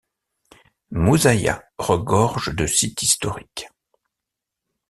Mouzaïa regorge de sites historiques.